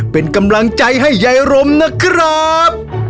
เป็นกำลังใจให้ยายรมนะครับ